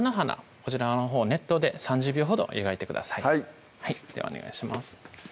こちらのほうを熱湯で３０秒ほど湯がいてくださいではお願いします